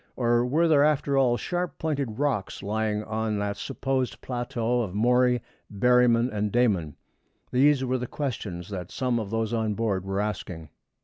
or were there, after all, sharp pointed rocks lying on that supposed plateau of Maury, Berryman, and Dayman? These were the questions that some of those on board were asking.